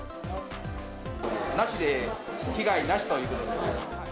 梨で被害なしということで。